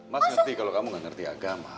mas ngerti kalau kamu gak ngerti agama